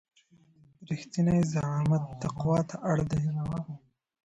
رښتينی زعامت تقوی ته اړ دی.